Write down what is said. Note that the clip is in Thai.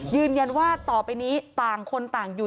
ยืนยันว่าต่อไปนี้ต่างคนต่างอยู่